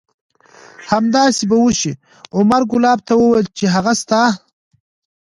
همداسې به وشي. عمر کلاب ته وویل چې هغه ستا